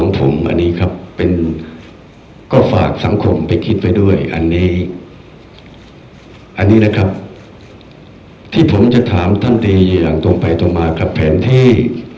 ผมจะถามท่านท่านตีอย่างตรงไปตรงมากับแผนที่